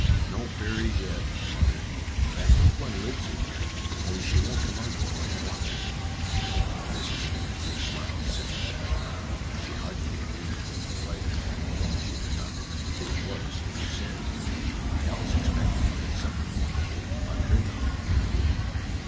" No fairies yet> mother ; but I think one lives in here, only she won't come out while I am watching." Mrs. Merrithew smiled sympathetically. She heartily agreed with the writer (though Our Little Canadian Cousin 9 she could not remember who it was) who said :" I always expect to find something wonderful, unheard of, in a wood."